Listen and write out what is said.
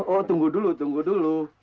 oh tunggu dulu tunggu dulu